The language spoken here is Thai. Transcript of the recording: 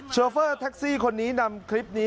โฟเฟอร์แท็กซี่คนนี้นำคลิปนี้